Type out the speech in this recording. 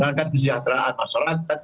menangkan kesejahteraan masyarakat